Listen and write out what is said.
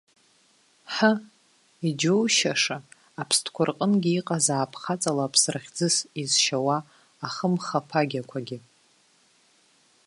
Ҳы, иџьоушьаша, аԥстәқәа рҟынгьы иҟазаап хаҵала аԥсра хьӡыс изшьауа ахымхаԥагьақәагьы.